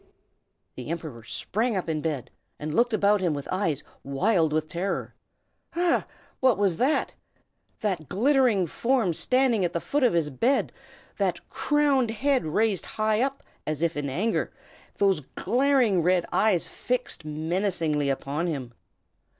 The Emperor sprang up in bed, and looked about him with eyes wild with terror. Ah! what was that? that glittering form standing at the foot of his bed; that crowned head raised high as if in anger; those glaring red eyes fixed menacingly upon him!